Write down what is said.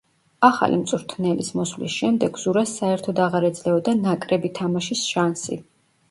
ახალი მწვრთნელის მოსვლის შემდეგ ზურას საერთოდ აღარ ეძლეოდა ნაკრები თამაშის შანსი.